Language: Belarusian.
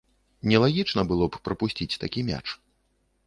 Нелагічна было б прапусціць такі мяч.